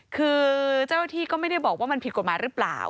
คือเจ้าหน้าที่ก็ไม่ได้บอกว่ามันผิดกฎหมายหรือเปล่า